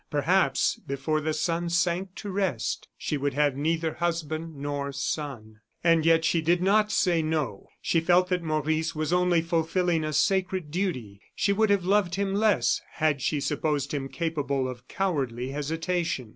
Perhaps before the sun sank to rest, she would have neither husband nor son. And yet she did not say "no." She felt that Maurice was only fulfilling a sacred duty. She would have loved him less had she supposed him capable of cowardly hesitation.